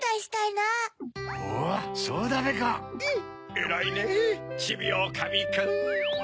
えらいねぇちびおおかみくん。